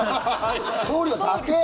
送料だけ？